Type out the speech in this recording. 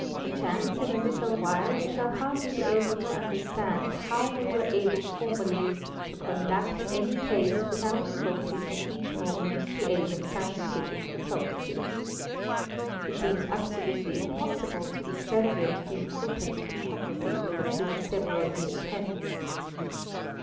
Perchance in a little while we shall hardly be able to understand ho W we were able formerly to conduct any case without invoking at each | moment the aid of scientific photography. It seems absolutely impos: sible to exaggerate the importance photography will assume severa years hence.